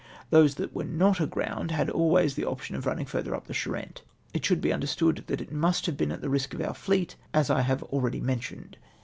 Those that were not aground had always the option of running further up the Charente. It should be understood that it must have been at the risk of our fleet, as I have already mentioned.